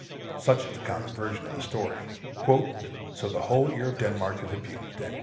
Such is the common version of the story: "So the whole ear of Denmark is abused."